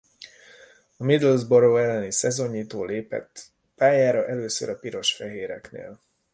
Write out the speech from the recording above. A Middlesbrough elleni szezonnyitón lépett pályára először a piros-fehéreknél.